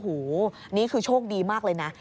โอ้โหนี่คือโชคดีมากเลยนะ